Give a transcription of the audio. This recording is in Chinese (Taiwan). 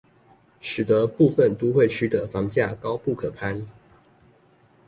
使得部分都會區的房價高不可攀